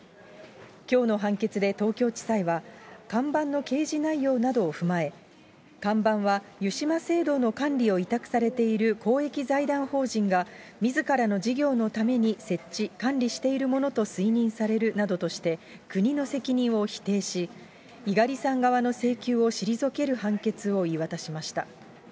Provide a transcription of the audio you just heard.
きょうの判決で東京地裁は、看板の掲示内容などを踏まえ、看板は湯島聖堂の管理を委託されている公益財団法人が、みずからの事業のために設置・管理しているものと推認されるなどとして、国の責任を否定し、猪狩さん側の請求を退ける判決を言い渡しました。